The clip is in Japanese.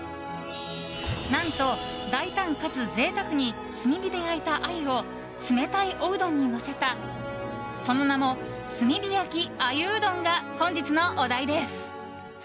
何と、大胆かつ贅沢に炭火で焼いたアユを冷たいおうどんにのせたその名も炭火焼鮎うどんが本日のお題です。